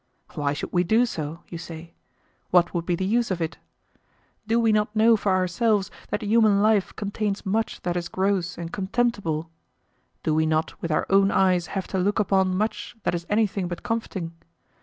"Why should we do so?" you say. "What would be the use of it? Do we not know for ourselves that human life contains much that is gross and contemptible? Do we not with our own eyes have to look upon much that is anything but comforting?